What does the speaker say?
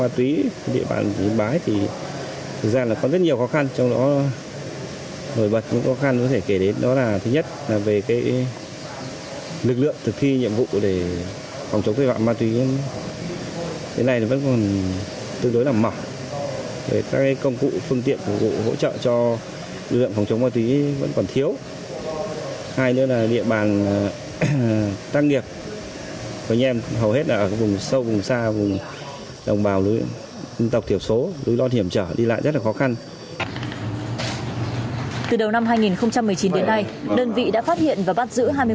từ đầu năm hai nghìn một mươi chín đến nay đơn vị đã phát hiện và bắt giữ hai mươi một vụ ba mươi hai đối tượng phạm các tội về ma túy